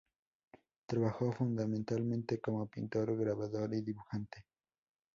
Trabajó fundamentalmente como pintor, grabador y dibujante.